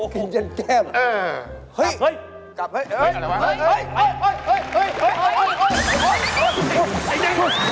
กินเย็นแก้มเลย